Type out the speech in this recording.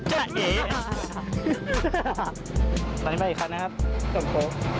มอเตอร์ไซค์กำลังเข้ากับดักของเทศกิตนะครับ